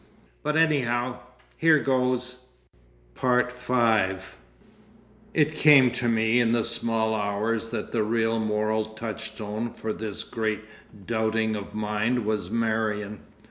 But anyhow,—here goes!" V It came to me in the small hours that the real moral touchstone for this great doubting of mind was Marion.